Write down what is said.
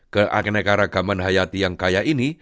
keakneka ragaman hayati yang kaya ini